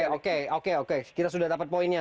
oke oke oke kita sudah dapat poinnya